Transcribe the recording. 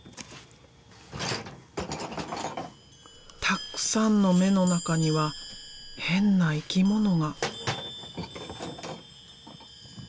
たっくさんの目の中には変な生き物が。